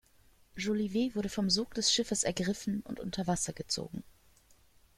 Jolivet wurde vom Sog des Schiffes ergriffen und unter Wasser gezogen.